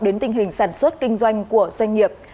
đến tình hình sản xuất kinh doanh của doanh nghiệp